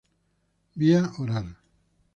Vía oral.